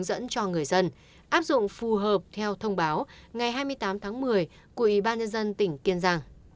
dẫn cho người dân áp dụng phù hợp theo thông báo ngày hai mươi tám tháng một mươi của ủy ban nhân dân tỉnh kiên giang